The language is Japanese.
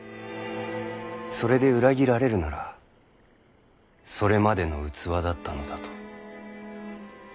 それで裏切られるならそれまでの器だったのだと。